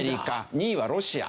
２位はロシア。